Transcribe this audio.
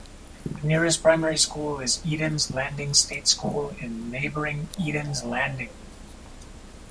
The nearest primary school is Edens Landing State School in neighbouring Edens Landing.